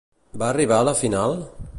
Va arribar a la final?